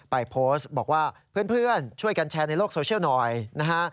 ไปโพสต์บอกว่าเพื่อนช่วยกันแชร์ในโลกโซเชียลหน่อยนะฮะ